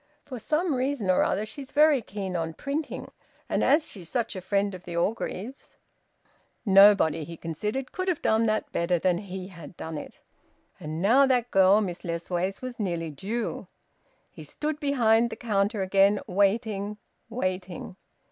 For some reason or other she's very keen on printing, and as she's such a friend of the Orgreaves " Nobody, he considered, could have done that better than he had done it. And now that girl, Miss Lessways, was nearly due. He stood behind the counter again, waiting, waiting.